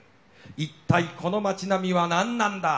一体この街並みは何なんだ？